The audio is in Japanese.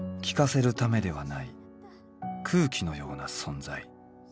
聞かせるためではない空気のような存在。